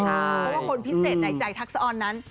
เพราะว่าคนพิเศษในใจทักษะออนนั้น